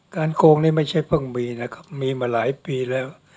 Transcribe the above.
โกงนี่ไม่ใช่เพิ่งมีนะครับมีมาหลายปีแล้ว